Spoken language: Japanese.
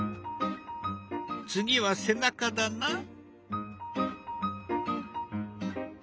次は背中だな？